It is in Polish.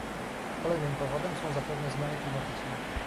Kolejnym powodem są zapewne zmiany klimatyczne